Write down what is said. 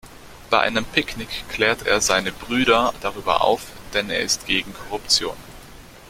Bei einem Picknick klärt er seine Brüder darüber auf, denn er ist gegen Korruption.